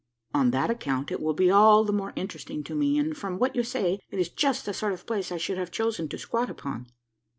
"On that account it will be all the more interesting to me; and, from what you say, it is just the sort of place I should have chosen to squat upon."